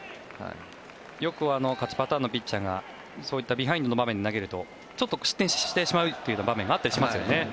よく勝ちパターンのピッチャーがそういったビハインドの場面で投げるとちょっと失点してしまうという場面があったりしますよね。